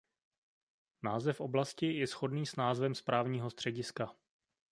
Název oblasti je shodný s názvem správního střediska.